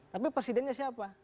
tapi presidennya siapa